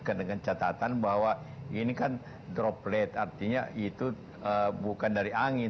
karena dengan catatan bahwa ini kan droplet artinya itu bukan dari angin